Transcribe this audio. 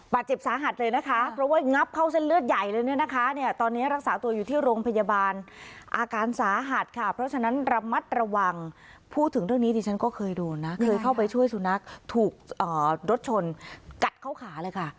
บาดเจ็บสาหัสเลยนะคะเพราะว่างับเข้าเส้นเลือดใหญ่เลยเนี่ยนะคะเนี่ยตอนนี้รักษาตัวอยู่ที่โรงพยาบาลอาการสาหัสค่ะเพราะฉะนั้นระมัดระวังพูดถึงเรื่องนี้ดิฉันก็เคยโดนนะเคยเข้าไปช่วยสุนัขถูกรถชนกัดเข้าขาเลยค่ะ